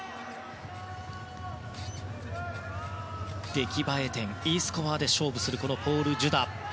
出来栄え点Ｅスコアで勝負するポール・ジュダ。